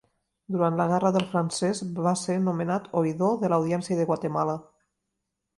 Durant la Guerra del francès va ser nomenat oïdor de l'Audiència de Guatemala.